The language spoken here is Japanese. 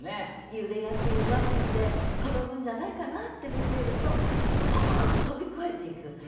揺れやすい岩踏んで転ぶんじゃないかなって見てるとポーンと飛び越えていく。